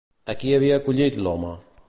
A qui havia acollit, l'home?